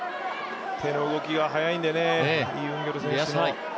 手の動きが速いのでねイ・ウンギョル選手も。